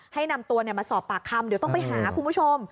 ให้นำตัวมาสอบปากคำเดี๋ยวต้องไปหาคุณผู้ชม